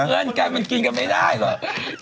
เพื่อนกันมันกินกันไม่ได้หรอก